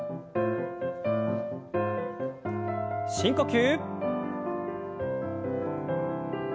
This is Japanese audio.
深呼吸。